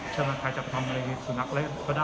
ชาวนานไทยจะไปทำอะไรสุนัขอะไรก็ได้